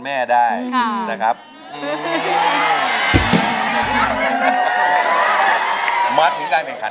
แก้มขอมาสู้เพื่อกล่องเสียงให้กับคุณพ่อใหม่นะครับ